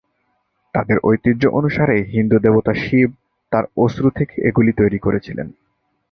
তাদের ঐতিহ্য অনুসারে, হিন্দু দেবতা শিব তাঁর অশ্রু থেকে এগুলি তৈরি করেছিলেন।